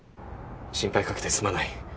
心配かけてすまない。